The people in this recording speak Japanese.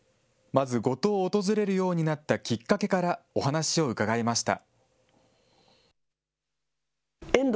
まず五島を訪れるようになったきっかけからお話を伺いました。